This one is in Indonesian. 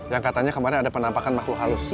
yang katanya kemarin ada penampakan makhluk halus